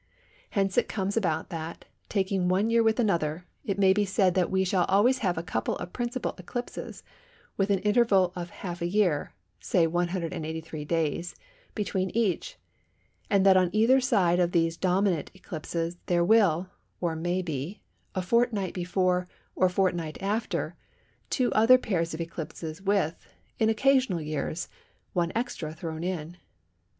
Hence it comes about that, taking one year with another, it may be said that we shall always have a couple of principal eclipses with an interval of half a year (say 183 days) between each; and that on either side of these dominant eclipses there will, or may be, a fortnight before or a fortnight after, two other pairs of eclipses with, in occasional years, one extra thrown in.